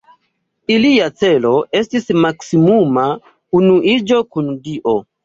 Ilia celo estis maksimuma unuiĝo kun Dio.